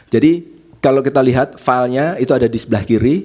jadi kalau kita lihat filenya itu ada di sebelah kiri